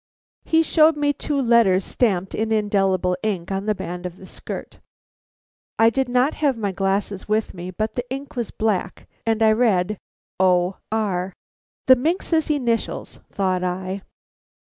He showed me two letters stamped in indelible ink on the band of a skirt. I did not have my glasses with me, but the ink was black, and I read O. R. "The minx's initials," thought I.